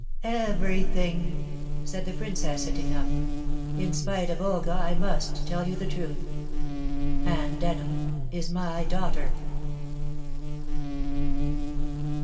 "Everything," said the Princess, sitting up. "In spite of Olga I must tell you the truth. Anne Denham is my daughter!"